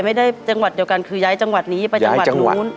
จังหวัดเดียวกันคือย้ายจังหวัดนี้ไปจังหวัดนู้น